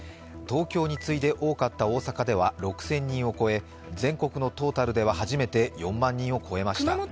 東京に次いで多かった大阪では６０００人を超え全国のトータルでは初めて４万人を超えました。